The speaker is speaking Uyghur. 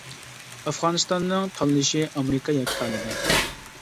ئافغانىستاننىڭ تاللىشى ئامېرىكا ياكى تالىبان.